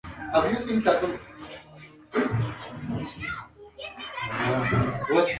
ambaye anasema alijiunga na siasa ili kuitia wito wa MunguSiku moja Mungu alizungumza